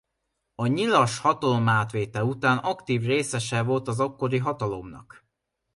A nyilas hatalomátvétel után aktív részese volt az akkori hatalomnak.